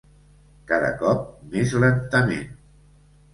Cada cop més lentament.